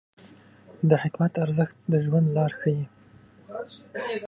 د حکمت ارزښت د ژوند لار ښیي.